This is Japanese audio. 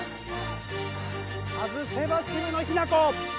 外せば渋野日向子。